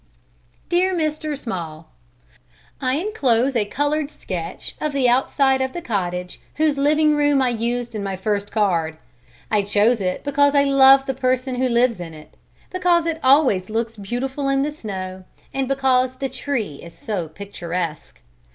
DEAR MR. SMALL: I enclose a colored sketch of the outside of the cottage whose living room I used in my first card. I chose it because I love the person who lives in it; because it always looks beautiful in the snow, and because the tree is so picturesque.